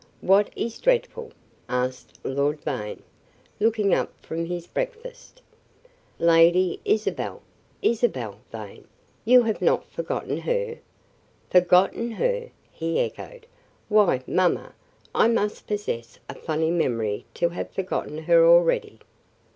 "What is dreadful?" asked Lord Vane, looking up from his breakfast. "Lady Isabel Isabel Vane you have not forgotten her?" "Forgotten her!" he echoed. "Why, mamma, I must possess a funny memory to have forgotten her already."